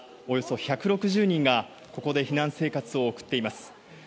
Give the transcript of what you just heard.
およそ１６０人がここで避難生活を送っています。